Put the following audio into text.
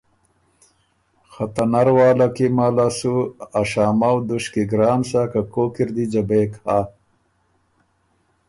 خه ته نر واله کی مه له سو ا شامؤ دُشکی ګران سۀ که کوک اِر دی ځبېک هۀ؟